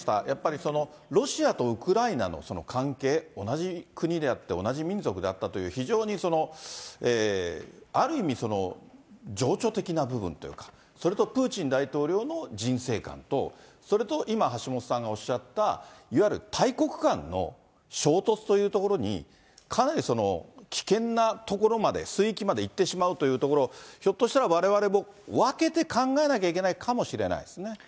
やっぱりロシアとウクライナの関係、同じ国であって、同じ民族であったという、非常にある意味、情緒的な部分というか、それとプーチン大統領の人生観と、それと今、橋下さんがおっしゃったいわゆる大国間の衝突というところに、かなり危険なところまで、水域まで行ってしまうというところ、ひょっとしたら、われわれも分けて考えなきゃいけないかもしれないですね。